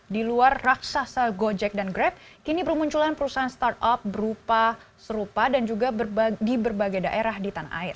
di luar raksasa gojek dan grab kini bermunculan perusahaan startup berupa serupa dan juga di berbagai daerah di tanah air